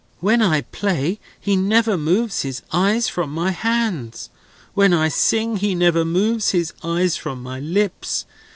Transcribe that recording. When I play, he never moves his eyes from my hands. When I sing, he never moves his eyes from my lips.